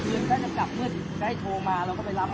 ตอนนี้กำหนังไปคุยของผู้สาวว่ามีคนละตบ